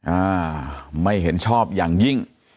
อ่าไม่เห็นชอบอย่างยิ่ง